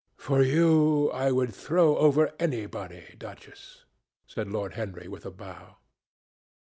"For you I would throw over anybody, Duchess," said Lord Henry with a bow.